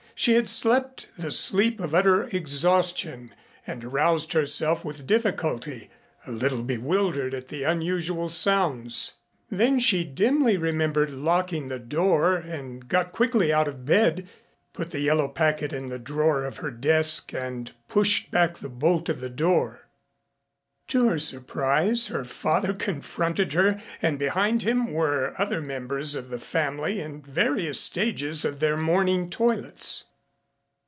She had slept the sleep of utter exhaustion and aroused herself with difficulty, a little bewildered at the unusual sounds. Then she dimly remembered locking the door and got quickly out of bed, put the yellow packet in the drawer of her desk and pushed back the bolt of the door. To her surprise her father confronted her and behind him were other members of the family in various stages of their morning toilets.